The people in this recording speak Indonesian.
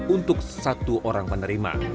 untuk satu orang penerima